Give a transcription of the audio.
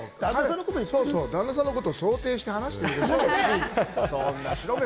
旦那さんのことを想定して話してるでしょうし。